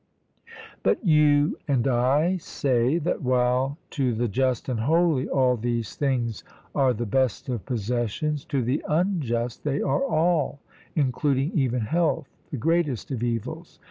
But you and I say, that while to the just and holy all these things are the best of possessions, to the unjust they are all, including even health, the greatest of evils.